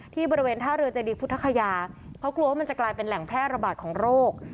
บริเวณท่าเรือเจดีพุทธคยาเพราะกลัวว่ามันจะกลายเป็นแหล่งแพร่ระบาดของโรค